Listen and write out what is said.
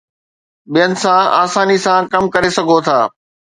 ٻين سان آساني سان ڪم ڪري سگهو ٿا